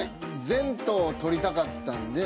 全頭を撮りたかったんで。